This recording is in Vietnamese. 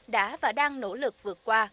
đã và đang nỗ lực vượt qua